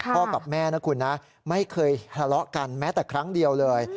กับแม่นะคุณนะไม่เคยทะเลาะกันแม้แต่ครั้งเดียวเลย